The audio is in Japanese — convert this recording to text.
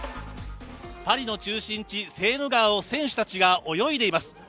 パリの中心地・セーヌ川を選手たちが泳いでいます。